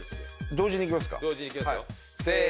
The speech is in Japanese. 同時にいきますよ。